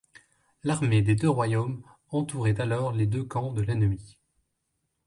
L'armée des Deux Royaumes entourait alors les deux camps de l'ennemi.